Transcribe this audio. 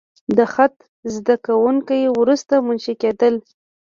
د خط زده کوونکي وروسته منشي کېدل.